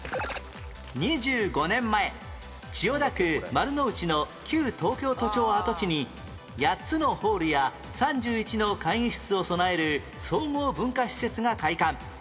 ２５年前千代田区丸の内の旧東京都庁跡地に８つのホールや３１の会議室を備える総合文化施設が開館